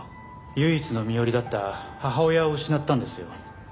唯一の身寄りだった母親を失ったんですよ。